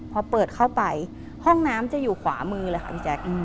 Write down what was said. พอเปิดเข้าไปห้องน้ำจะอยู่ขวามือเลยค่ะพี่แจ๊ค